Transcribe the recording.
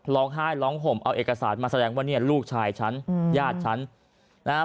ร้องไห้ร้องห่มเอาเอกสารมาแสดงว่าเนี่ยลูกชายฉันญาติฉันนะฮะ